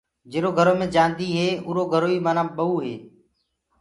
جيرو گھرو مي جآندي هي اُرو گھرو ڪي مآنآ ٻئوٚ هي۔